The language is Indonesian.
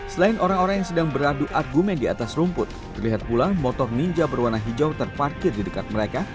selain orang orang yang sedang beradu argumen di atas rumput terlihat pula motor ninja berwarna hijau terparkir di dekat mereka